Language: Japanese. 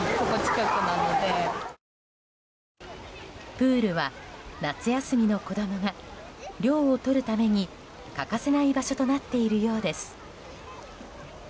プールは夏休みの子供が涼をとるために欠かせない場所となっているようです。